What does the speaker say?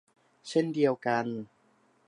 เช่นเดียวกัน